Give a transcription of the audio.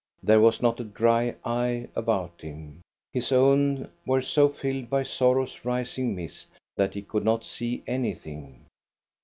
There was not a dry eye about him ; his own were so filled by sorrow's rising mist that he could not see anything.